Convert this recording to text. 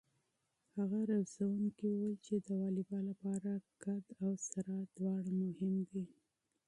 هغه روزونکی وویل چې د واليبال لپاره قد او سرعت دواړه مهم دي.